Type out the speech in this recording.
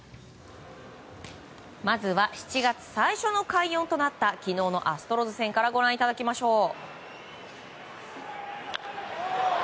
まずは、７月最初の快音となった昨日のアストロズ戦からご覧いただきましょう。